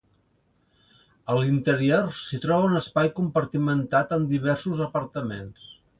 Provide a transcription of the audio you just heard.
A l'interior s'hi troba un espai compartimentat, amb diversos apartaments.